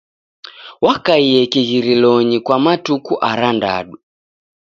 Wakaie kighirilonyi kwa matuku arandadu.